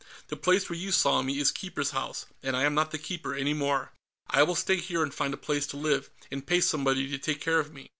The place where you saw me is Keeper's House, and I am not the Keeper any more. I will stay here and find a place to live, and pay somebody to take care of me...."